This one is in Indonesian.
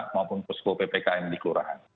maupun posko ppkm di kelurahan